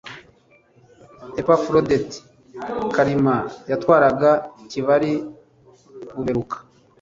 Epafroditi Kalima yatwaraga Kibari-Buberuka.